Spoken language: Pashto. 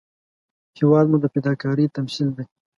هېواد مو د فداکارۍ تمثیل دی